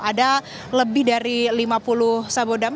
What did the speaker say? ada lebih dari lima puluh sabodam